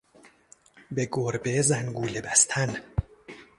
به گربه زنگوله بستن